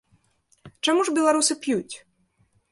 Чаму ж беларусы п'юць?